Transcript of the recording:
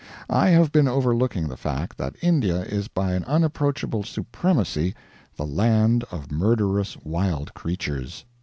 I have been overlooking the fact that India is by an unapproachable supremacy the Land of Murderous Wild Creatures.